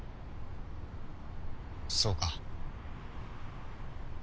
そうか。